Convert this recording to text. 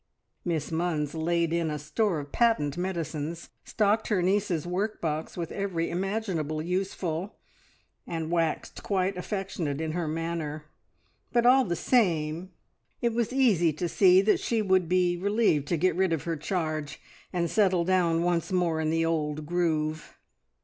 Miss Munns laid in a store of patent medicines, stocked her niece's workbox with every imaginable useful, and waxed quite affectionate in her manner, but all the same it was easy to see that she would be relieved to get rid of her charge, and settle down once more in the old groove.